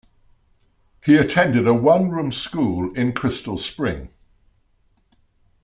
He attended a one-room school in Crystal Spring.